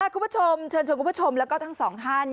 คุณผู้ชมเชิญชวนคุณผู้ชมแล้วก็ทั้งสองท่าน